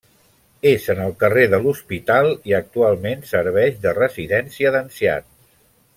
És en el carrer de l'Hospital, i actualment serveix de residència d'ancians.